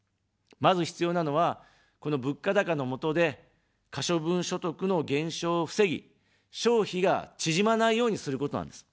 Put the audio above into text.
まず、必要なのは、この物価高のもとで、可処分所得の減少を防ぎ、消費が縮まないようにすることなんです。